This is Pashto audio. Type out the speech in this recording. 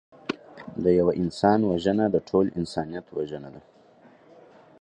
د یوه انسان وژنه د ټول انسانیت وژنه ده